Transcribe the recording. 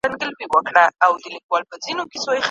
څشي پرېږدم څشي واخلم څه مهم دي څشي نه دي